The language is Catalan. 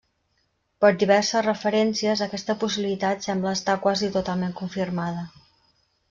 Per diverses referències aquesta possibilitat sembla estar quasi totalment confirmada.